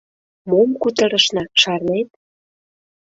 Мом кутырышна, шарнет?